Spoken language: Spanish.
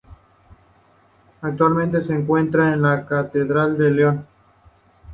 Actualmente se encuentra en la Catedral de León.